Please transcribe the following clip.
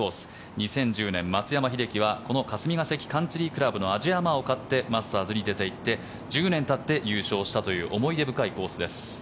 ２０１０年、松山英樹はこの霞ヶ関カンツリー倶楽部のアジア杯を勝って出ていって１０年たって優勝したという思い出深いコースです。